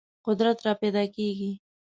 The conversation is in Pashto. قدرت راپیدا کېږي.